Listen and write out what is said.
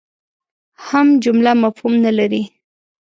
هم جمله مفهوم نه لري.